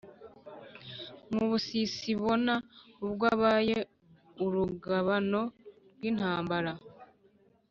mwubusisibona ubwo abaye urugabano rw’intambara